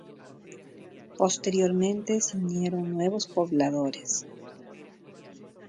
Posteriormente se unieron nuevos pobladores.